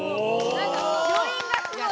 なんかよいんがすごい！